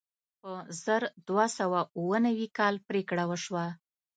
په زر دوه سوه اوه نوي کال پرېکړه وشوه.